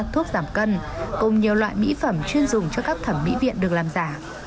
thuốc giảm cân cùng nhiều loại mỹ phẩm chuyên dùng cho các thẩm mỹ viện được làm giả